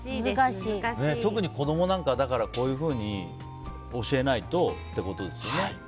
特に子供なんかはこういうふうに教えないとということですね。